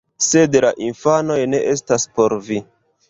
Sed la infanoj ne estas por vi